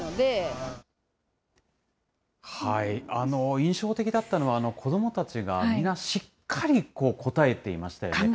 印象的だったのは、子どもたちが皆、考えてましたよね。